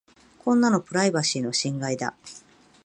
こんなのプライバシーの侵害だ。